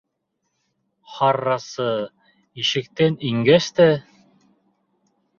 Харрасы, ишектән ингәс тә: